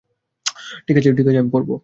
ঠিক আছে, আমি পারবো।